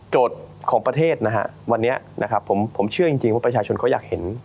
โจทย์ของประเทศวันนี้ผมเชื่อจริงว่าประชาชนเขาอยากเห็น